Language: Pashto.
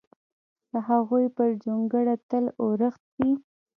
د هغوی پر جونګړه تل اورښت وي!